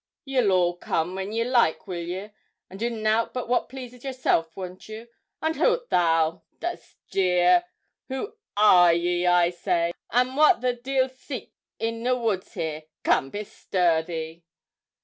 'Ye'll all come when ye like, will ye? and do nout but what pleases yourselves, won't you? And who'rt thou? Dost 'eer who are ye, I say; and what the deil seek ye in the woods here? Come, bestir thee!'